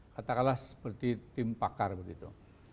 katakanlah seperti tim pakar begitu